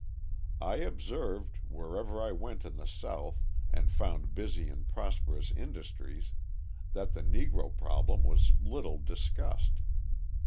I observed, wherever I went in the South and found busy and prosperous industries, that the Negro problem was little discussed.